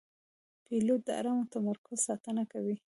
پیلوټ د آرام او تمرکز ساتنه کوي.